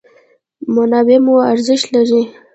منابع مو ارزښت لري.